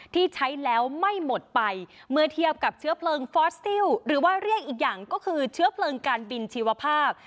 ที่ใช้แล้วไม่หมดไปเมื่อเทียบกับเชื้อเพลิงฟอสซิลหรือว่าเรียกอีกอย่างก็คือเชื้อเพลิงการบินชีวภาพ